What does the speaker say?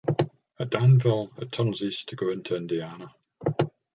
At Danville, it turns east to go into Indiana.